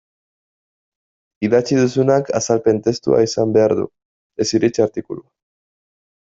Idatzi duzunak azalpen testua izan behar du, ez iritzi artikulua.